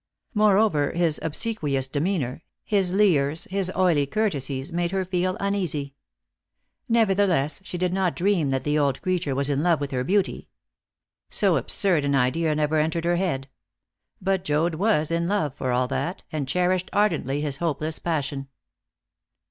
Moreover, his obsequious demeanour, his leers, his oily courtesies, made her feel uneasy. Nevertheless, she did not dream that the old creature was in love with her beauty. So absurd an idea never entered her head. But Joad was in love, for all that, and cherished ardently his hopeless passion.